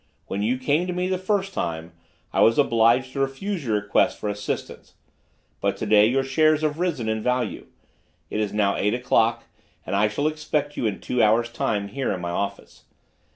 When you came to me the first time, I was obliged to refuse your request for assistance, but to day your shares have risen in value. It is now eight o'clock, and I shall expect you in two hours' time here in my office.